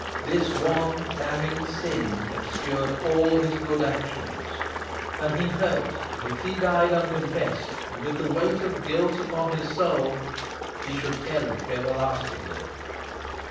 This one damning sin obscured all his good actions; and he felt if he died unconfessed, and with the weight of guilt upon his soul, he should perish everlastingly.